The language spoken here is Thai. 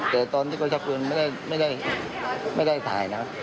แต่ตอนที่เขาชักปืนไม่ได้ถ่ายนะ